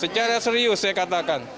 secara serius saya katakan